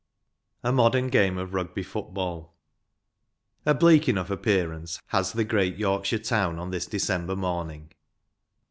A MODERN GAME OF RUGBY FOOTBALL. /\^ BLEAK enough appearance has the ^_^p£^C\ great Yorkshire town on this December morning.